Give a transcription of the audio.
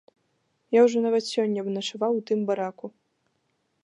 Я ўжо нават сёння начаваў у тым бараку.